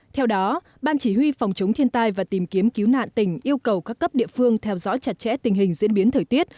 theo đó ban chỉ huy phòng chống thiên tai và tìm kiếm cứu nạn tỉnh yêu cầu các cấp địa phương theo dõi chặt chẽ tình hình diễn biến thời tiết